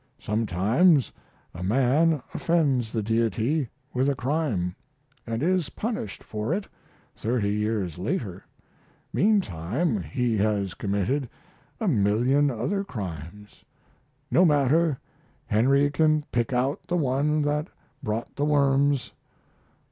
Sometimes a man offends the Deity with a crime, and is punished for it thirty years later; meantime he has committed a million other crimes: no matter, Henry can pick out the one that brought the worms.